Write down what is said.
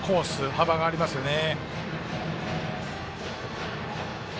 幅がありますよね。